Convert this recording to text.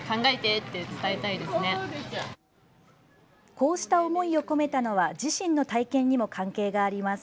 こうした思いを込めたのは自身の体験にも関係があります。